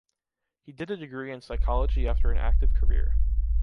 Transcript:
He did a degree in Psychology after an active career.